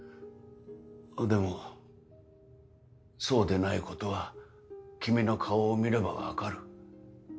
でもそうでないことは君の顔を見ればわかる。